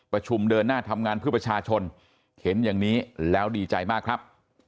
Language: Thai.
เดินหน้าทำงานเพื่อประชาชนเห็นอย่างนี้แล้วดีใจมากครับ